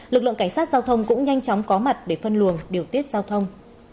lực lượng cảnh sát giao thông cũng nhanh chóng có mặt để phân luồng điều tiết giao thông